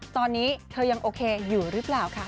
ตอนนี้เธอยังโอเคอยู่หรือเปล่าค่ะ